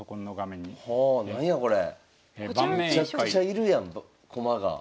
めちゃくちゃいるやん駒が。